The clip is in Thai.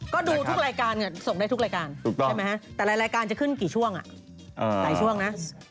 ก็ดูทุกรายการส่งได้ทุกรายการใช่ไหมฮะแต่รายการจะขึ้นกี่ช่วงหลายช่วงนะ